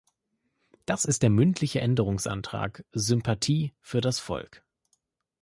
Das ist der mündliche Änderungsantrag: Sympathie für das Volk.